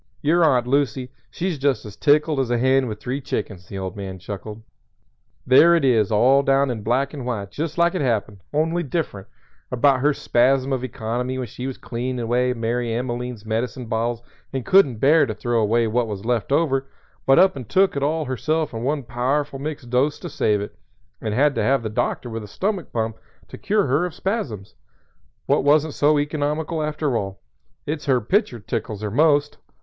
Your Aunt Lucy, she's just as tickled as a hen with three chickens." The old man chuckled. "There it is all down in black and white just like it happened, only different, about her spasm of economy when she was cleanin' away Mary Emmeline's medicine bottles and couldn't bear to throw away what was left over, but up and took it all herself in one powerful mixed dose to save it, and had to have the doctor with a stomach pump to cure her of spasms, what wasn't so economical after all. It's her picture tickles her most."